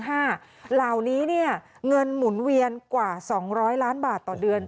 เหล่านี้เงินหมุนเวียนกว่า๒๐๐ล้านบาทต่อเดือน